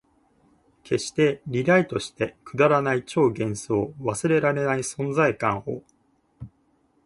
消して、リライトして、くだらない超幻想、忘れらない存在感を